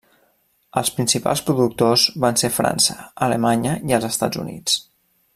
Els principals productors van ser França, Alemanya i els Estats Units.